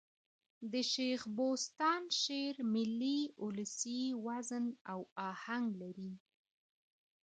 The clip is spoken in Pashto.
د شېخ بُستان شعر ملي اولسي وزن او آهنګ لري.